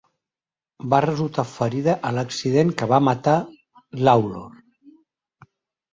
Va resultar ferida a l'accident que va matar Lawlor.